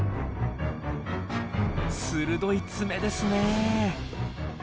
鋭い爪ですね！